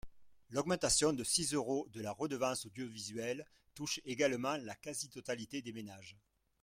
L’augmentation de six euros de la redevance audiovisuelle touche également la quasi-totalité des ménages.